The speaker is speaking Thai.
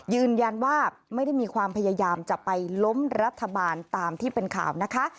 ยืนยันว่าไม่ได้มีความพยายามจะไปล้มรัฐบาลตามที่เป็นข่าวนะคะ